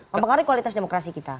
mempengaruhi kualitas demokrasi kita